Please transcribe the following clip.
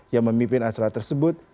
yang memimpin acara tersebut